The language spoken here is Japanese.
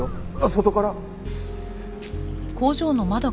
外から。